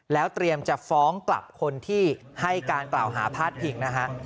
แล้วเตรียมจะฟ้องกลับคนที่ให้การกล่าวหาพาดพิงนะฮะ